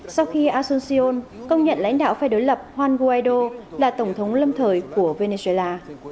sau khi asuncion công nhận lãnh đạo phe đối lập juan guaido là tổng thống lâm thời của venezuela